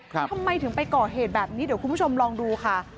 ทำไมถึงไปก่อเหตุแบบนี้เดี๋ยวคุณผู้ชมลองดูค่ะ